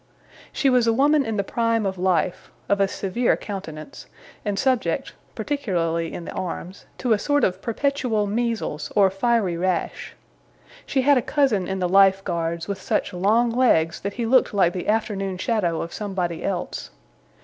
She was a woman in the prime of life; of a severe countenance; and subject (particularly in the arms) to a sort of perpetual measles or fiery rash. She had a cousin in the Life Guards, with such long legs that he looked like the afternoon shadow of somebody else.